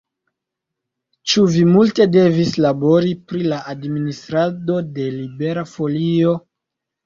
Ĉu vi multe devis labori pri la administrado de Libera Folio?